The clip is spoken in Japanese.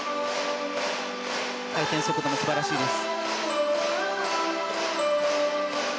回転速度も素晴らしいです。